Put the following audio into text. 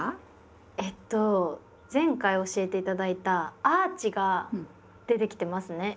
えっと前回教えて頂いたアーチが出てきてますね。